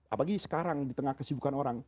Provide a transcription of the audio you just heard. apalagi sekarang di tengah kesibukan orang